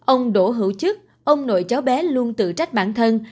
ông đỗ hữu chức ông nội cháu bé luôn tự trách bản thân